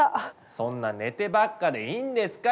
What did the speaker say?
そんな寝てばっかでいいんですか？